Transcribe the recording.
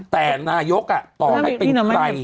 แต่นายกต่อให้เป็นใคร